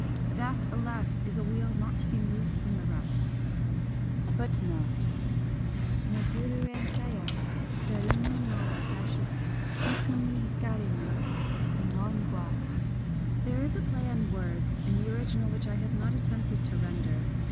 That, alas ! is a wheel not to be moved from the rut !^ 1 Meguru en kaya ? Kuruma no watashi Hiku ni hikar^nu Kono ingwa. There is a play on words in the original which I have not attempted to render.